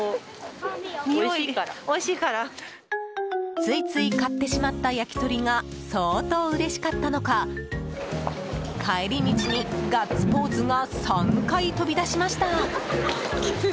ついつい買ってしまった焼き鳥が相当うれしかったのか帰り道に、ガッツポーズが３回飛び出しました。